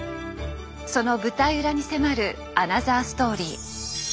その舞台裏に迫るアナザーストーリー。